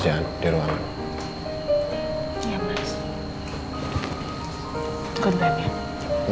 aku janji aku akan jadi istri yang lebih baik lagi buat kamu